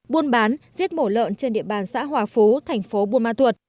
buôn bán giết mổ lợn trên địa bàn xã hòa phú tp buôn ma thuột